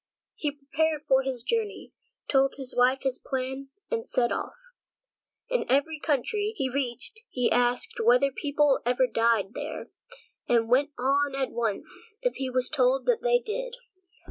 He prepared for his journey, told his wife his plan, and set off. In every country he reached he asked whether people ever died there, and went on at once if he was told that they did.